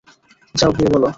যাও, গিয়ে বলো।